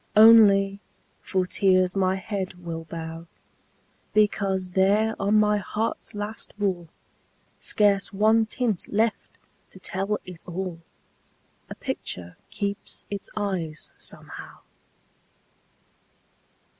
Only, for tears my head will bow, Because there on my heart's last wall, Scarce one tint left to tell it all, A picture keeps its eyes, somehow.